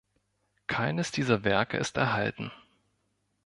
Keines dieser Werke ist erhalten.